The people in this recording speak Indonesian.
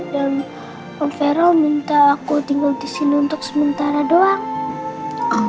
dan om fero minta aku tinggal disini untuk sementara doang